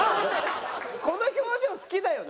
この表情好きだよね。